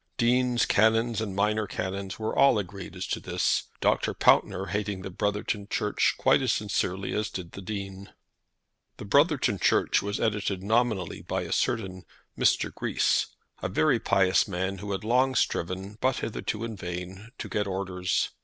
Deans, canons, and minor canons were all agreed as to this, Dr. Pountner hating the "Brotherton Church" quite as sincerely as did the Dean. The "Brotherton Church" was edited nominally by a certain Mr. Grease, a very pious man who had long striven, but hitherto in vain, to get orders.